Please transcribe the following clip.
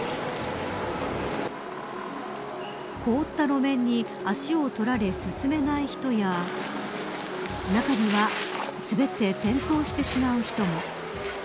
凍った路面に足を取られ進めない人や中には、滑って転倒してしまう人も。